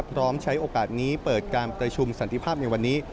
พร้อมใช้โอกาสนี้เปิดการประชุมสันติภาพในวันนี้